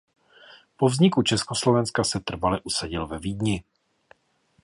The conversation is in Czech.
Po vzniku Československa se trvale usadil ve Vídni.